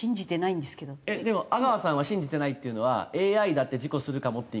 でも阿川さんが信じてないっていうのはＡＩだって事故するかもっていう。